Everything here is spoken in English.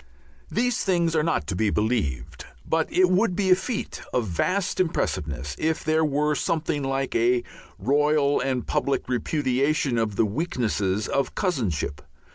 These things are not to be believed, but it would be a feat of vast impressiveness if there were something like a royal and public repudiation of the weaknesses of cousinship.